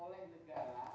dari bank ikan